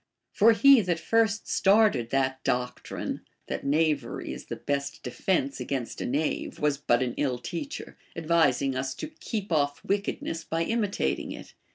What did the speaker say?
For he that first started that doctrine, that 'knavery is the best defence against a knave, was but an ill teacher, advising us to keep off Λvickedness by imitating it.